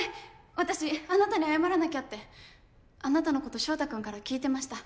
私あなたに謝らなきゃってあなたのこと翔太くんから聞いてました